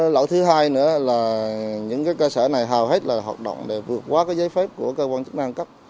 lỗi thứ hai nữa là những cơ sở này hào hết là hoạt động để vượt quá giấy phép của cơ quan chức năng cấp